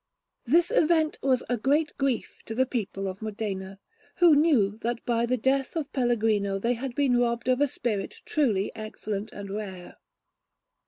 This event was a great grief to the people of Modena, who knew that by the death of Pellegrino they had been robbed of a spirit truly excellent and rare.